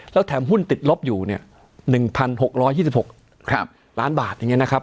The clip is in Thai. แล้วแถมหุ้นติดลบอยู่เนี่ย๑๖๒๖ล้านบาทอย่างนี้นะครับ